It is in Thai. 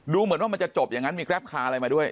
เหมือนว่ามันจะจบอย่างนั้นมีแกรปคาร์อะไรมาด้วย